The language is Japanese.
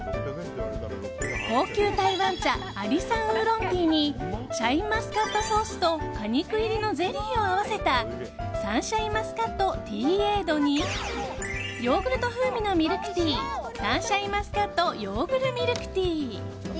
高級台湾茶阿里山ウーロンティーにシャインマスカットソースと果肉入りのゼリーを合わせたＳＵＮシャインマスカットティーエードにヨーグルト風味のミルクティーＳＵＮシャインマスカットヨーグルミルクティー。